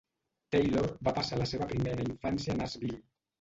Taylor va passar la seva primera infància a Nashville.